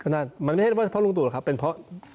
นั่นมันไม่ใช่ว่าเพราะลุงตู่หรอกครับเป็นเพราะ